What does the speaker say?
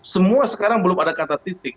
semua sekarang belum ada kata titik